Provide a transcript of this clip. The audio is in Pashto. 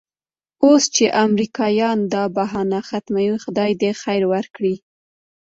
اوس چې امریکایان دا بهانه ختموي خدای دې خیر ورکړي.